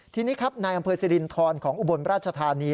ทีนี้ครับนายอำเภอสิรินทรของอุบลราชธานี